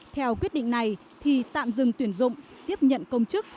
theo quyết định này thì tạm dừng tuyển dụng tiếp nhận công chức